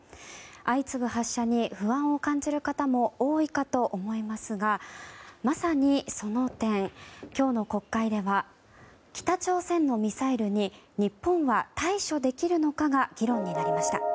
相次ぐ発射に不安を感じる方も多いかと思いますがまさに、その点今日の国会では北朝鮮のミサイルに日本は対処できるのかが議論になりました。